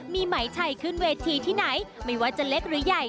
มีไหมชัยขึ้นเวทีที่ไหนไม่ว่าจะเล็กหรือใหญ่